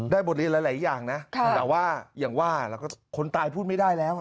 บทเรียนหลายอย่างนะแต่ว่าอย่างว่าแล้วก็คนตายพูดไม่ได้แล้ว